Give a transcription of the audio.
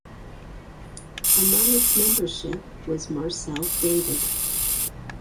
Among its membership was Marcel David.